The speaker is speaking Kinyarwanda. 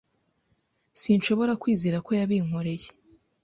Sinshobora kwizera ko yabinkoreye.